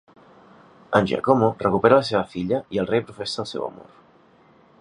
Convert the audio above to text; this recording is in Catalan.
En Giacomo recupera la seva filla i el rei professa el seu amor.